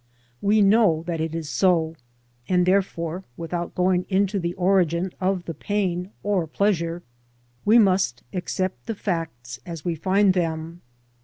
We know that it is so, and therefore, without going into the origin of the pain or pleasure, we must accept the facts as we find them.